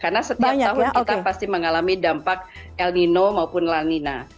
karena setiap tahun kita pasti mengalami dampak el nino maupun la nina